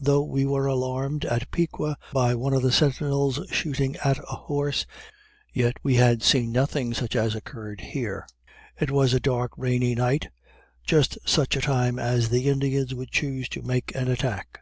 Though we were alarmed at Piqua, by one of the sentinels shooting at a horse, yet we had seen nothing such as occurred here. It was a dark rainy night, just such a time as the Indians would choose to make an attack.